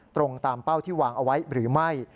ตรงตามเป้าที่วางเอาไว้หรือไม่